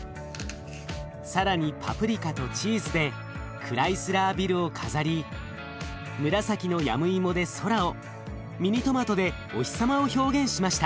更にパプリカとチーズでクライスラービルを飾り紫のヤムイモで空をミニトマトでお日様を表現しました。